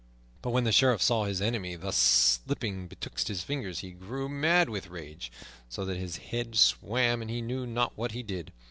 But when the Sheriff saw his enemy thus slipping betwixt his fingers he grew mad with his rage, so that his head swam and he knew not what he did.